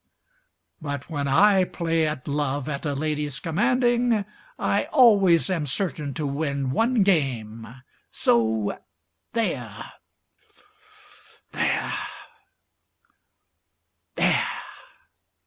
But when I play at love at a lady's commanding, I always am certain to win one game; So there there there!